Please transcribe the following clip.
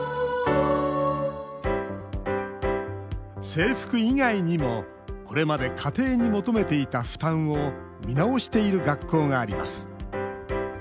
制服以外にもこれまで家庭に求めていた負担を見直している学校があります。